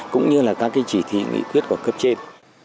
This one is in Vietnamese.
cũng như là các chỉ thị nghĩ quyết của cấp trên